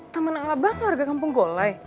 temen abang warga kampung kulai